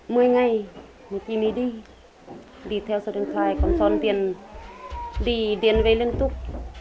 mỗi ngày mỗi khi mình đi đi theo số điện thoại còn xôn đi đi điên về liên tục